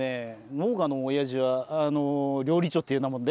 農家のおやじは料理長っていうようなもんで。